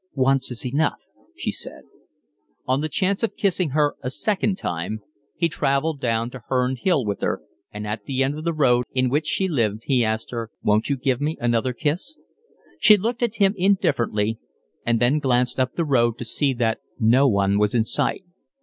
"Once is enough," she said. On the chance of kissing her a second time he travelled down to Herne Hill with her, and at the end of the road in which she lived he asked her: "Won't you give me another kiss?" She looked at him indifferently and then glanced up the road to see that no one was in sight.